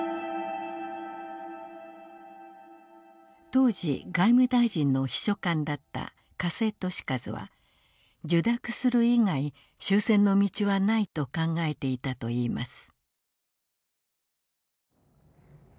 当時外務大臣の秘書官だった加瀬俊一は受諾する以外終戦の道はないと考えていたといいます。